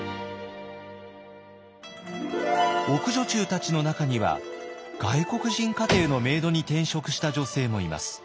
奥女中たちの中には外国人家庭のメイドに転職した女性もいます。